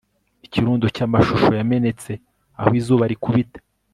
Ikirundo cyamashusho yamenetse aho izuba rikubita